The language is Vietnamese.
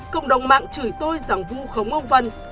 cộng đồng mạng chửi tôi rằng vu khống ông vân